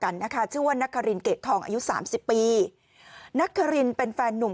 นักรินเป็นแฟนหนุ่ม